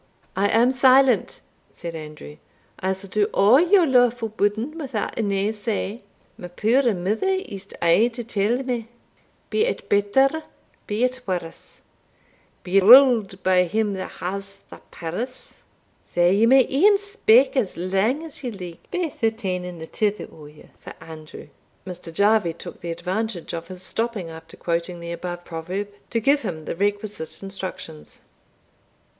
"I am silent," said Andrew. "I'se do a' your lawfu' bidding without a nay say. My puir mother used aye to tell me, Be it better, be it worse, Be ruled by him that has the purse. Sae ye may e'en speak as lang as ye like, baith the tane and the tither o' you, for Andrew." Mr. Jarvie took the advantage of his stopping after quoting the above proverb, to give him the requisite instructions.